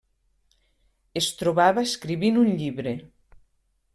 Es trobava escrivint un llibre.